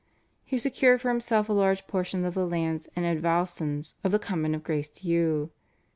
He secured for himself a large portion of the lands and advowsons of the Convent of Grace Dieu.